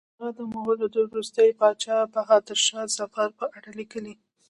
هغه د مغولو د وروستي پاچا بهادر شاه ظفر په اړه لیکي.